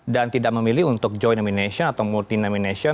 dan tidak memilih untuk join nomination atau multi nomination